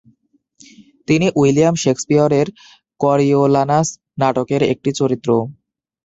তিনি উইলিয়াম শেকসপিয়রের "করিওলানাস" নাটকের একটি চরিত্র।